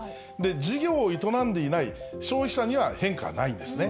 事業を営んでいない消費者には変化はないんですね。